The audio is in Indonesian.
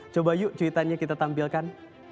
coba yuk cuitannya kita tampilkan